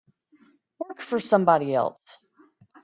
Work for somebody else.